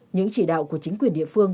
những chỉ đạo của chính quyền địa phương